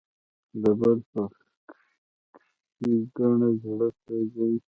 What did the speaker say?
د بل په ښېګڼه زړه سوځي.